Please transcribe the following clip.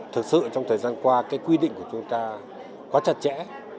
thực sự trong thời gian qua cái quy định của chúng ta quá chặt chẽ